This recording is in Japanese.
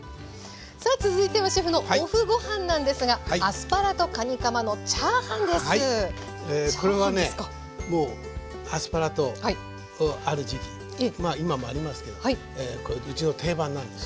さあ続いてはシェフのＯＦＦごはんなんですがはいこれはねアスパラのある時期今もありますけどうちの定番なんです。